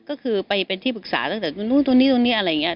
ก็คือไปเป็นที่ปรึกษาตั้งแต่ตรงนู้นตรงนี้ตรงนี้อะไรอย่างนี้